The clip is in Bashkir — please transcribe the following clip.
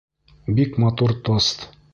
Бик матур тост!